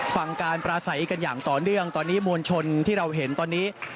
ฟังการปราศัยกันอย่างต่อเนื่องตอนนี้มวลชนที่เราเห็นตอนนี้